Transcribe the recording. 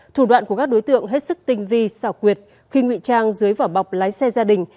thủ đoạn của các đối tượng hết sức tinh vi xảo quyệt khi ngụy trang dưới vỏ bọc lái xe gia đình